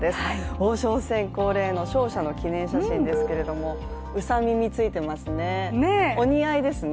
王将戦恒例の勝者の記念写真ですけれども、うさ耳、ついていますねお似合いですよね。